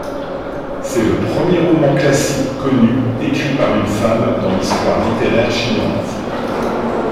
C'est le premier roman classique connu écrit par une femme dans l'histoire littéraire chinoise.